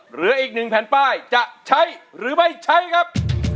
เหลืออีก๑แผ่นป้ายจะใช้หรือไม่ใช้ครับ